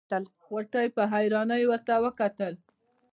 غوټۍ په حيرانۍ ورته کتل.